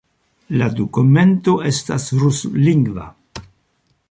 La dokumento estas ruslingva.